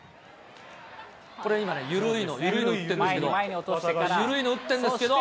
これ、今ね、緩いの打ってるんですけど。